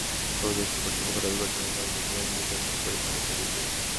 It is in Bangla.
তবে দেশটির কর্তৃপক্ষ দাবি করেছে, রোহিঙ্গারা নিজেরাই নিজেদের বসতবাড়িতে আগুন ধরিয়ে দিয়েছে।